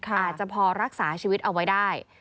อาจจะพอรักษาชีวิตเอาไว้ได้